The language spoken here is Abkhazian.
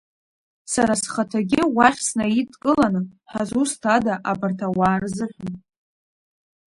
Сара схаҭагьы уахь снаидкыланы ҳазусҭада абарҭ ауаа рзыҳәан?!